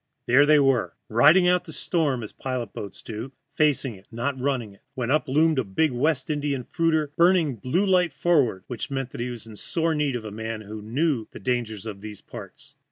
There they were, riding out the storm, as pilot boats do (facing it, not running), when up loomed a big West Indian fruiter, burning a blue light forward, which meant she was in sore need of a man at the wheel who knew the dangers in these parts.